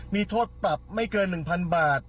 มีโทษปรับไม่เกิน๑๐๐๐บาท